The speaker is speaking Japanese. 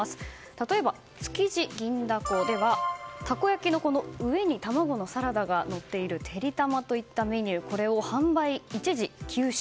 例えば、築地銀だこではたこ焼きの上に卵のサラダがのっているてりたまといったメニューこれを販売、一時休止。